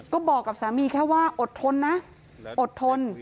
ก็บอกกับสามีแค่ว่าอดทนนะอดทน